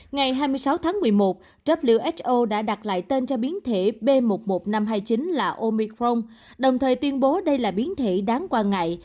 ngày hai mươi sáu tháng một mươi một who đã đặt lại tên cho biến thể b một một năm trăm hai mươi chín là omicron đồng thời tuyên bố đây là biến thể đáng quan ngại